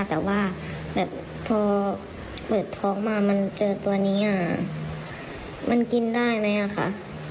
แต่ว่าแบบพอเปิดท้องมามันเจอตัวนี้มันกินได้ไหมอะค่ะ